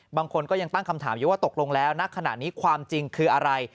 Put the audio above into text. บางคนก็ยังตั้งคำถามอยู่ว่าตกลงแล้วณขณะนี้ความจริงคืออะไร